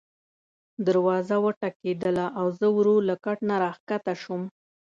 دروازه وټکېدله او زه ورو له کټ نه راکښته شوم.